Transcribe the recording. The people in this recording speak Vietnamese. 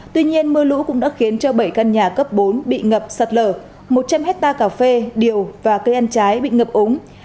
tuy nhiên mưa lũ cũng đã khiến cho bảy căn nhà cấp bốn bị ngập sạt lở một trăm linh hectare cà phê điều và cây ăn trái bị ngập úng